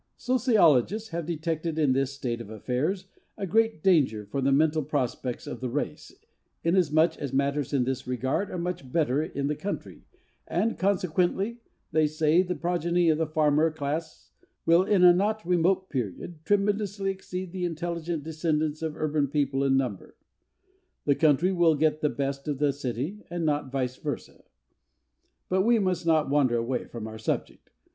Sociologists have detected in this state of affairs a great danger for the mental prospects of the race inasmuch as matters in this regard are much better in the country and, consequently, they say, the progeny of the farmer class will in a not remote period tremendously exceed the intelligent descendants of urban people in number. The country will get the best of the city and not vice versa. But we must not wander away from our subject.